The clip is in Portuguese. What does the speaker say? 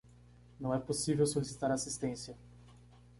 Não é possível solicitar assistência